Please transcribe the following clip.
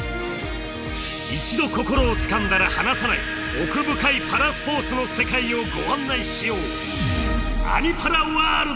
一度心をつかんだら離さない奥深いパラスポーツの世界をご案内しよう！